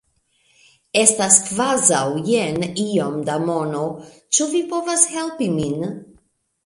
Estas kvazaŭ jen iom da mono ĉu vi povas helpi min?